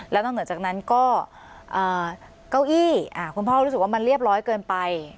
แล้วนอกเหนือจากนั้นก็เก้าอี้คุณพ่อรู้สึกว่ามันเรียบร้อยเกินไป